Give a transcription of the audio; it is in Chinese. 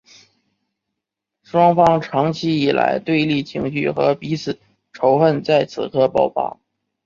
双方长期以来的对立情绪和彼此仇恨在此刻爆发。